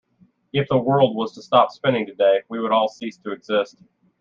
If the world was to stop spinning today, we would all cease to exist.